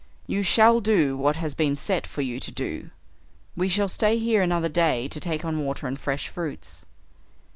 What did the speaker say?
You shall do what has been set for you to do we shall stay here another day to take on water and fresh fruits."